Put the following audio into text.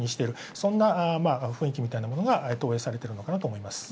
そんな雰囲気みたいなものが投影されているかと思います。